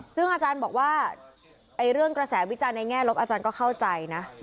ซึ่งอาจารย์บอกว่าร่วมกระแสวิคจันทร์ในแหน้วลบอาจารย์ก็เข้าใจ